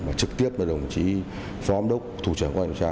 và trực tiếp với đồng chí phó ông đốc thủ trưởng quân điều tra